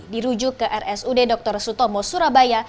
dirujuk ke rsud dr sutomo surabaya